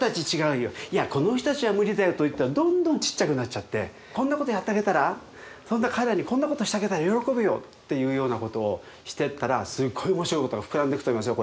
この人たちは無理だよと言ったらどんどんちっちゃくなっちゃってこんなことやってあげたらそんな彼らにこんなことしてあげたら喜ぶよっていうようなことをしてったらすっごい面白いことが膨らんでいくと思いますよ